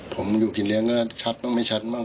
ผมอยู่ที่เลี้ยงก็ชัดมั้งไม่ชัดมั้ง